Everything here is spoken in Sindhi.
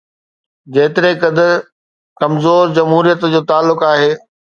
جيتري قدر ڪمزور جمهوريت جو تعلق آهي.